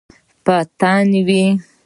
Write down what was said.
په تن وی